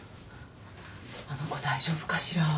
あの子大丈夫かしら？